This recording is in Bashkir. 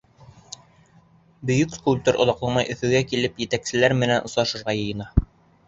Бөйөк скульптор оҙаҡламай Өфөгә килеп, етәкселек менән осрашырға йыйына.